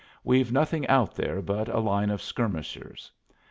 We've nothing out there but a line of skirmishers.